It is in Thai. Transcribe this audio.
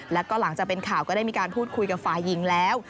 แล้วก็หลังจากเป็นข่าวก็ได้มีการพูดคุยกับฝ่ายหญิงแล้ว